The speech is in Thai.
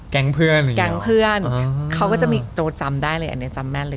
แกงเบื้อนเขาก็จะจำได้เลยแต่นี้จำแม่นเลย